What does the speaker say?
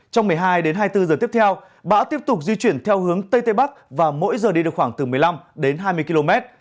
trong một mươi hai đến hai mươi bốn giờ tiếp theo bão tiếp tục di chuyển theo hướng tây tây bắc và mỗi giờ đi được khoảng từ một mươi năm đến hai mươi km